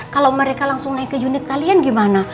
kalau mereka langsung naik ke unit kalian gimana